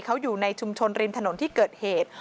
เขาอยู่ในชุมชนริมถนนที่เกิดเหตุ